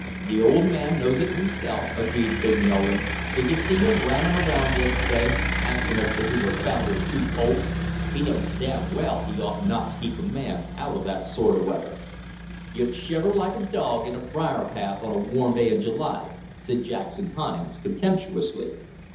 "Th' old man knows it himself," agreed big Nolan; "did you see him rammin' around yesterday askin' us if we found her too cold? He knows damn well he ought not to keep a man out that sort o' weather." "You'd shiver like a dog in a briar path on a warm day in July," said Jackson Hines contemptuously.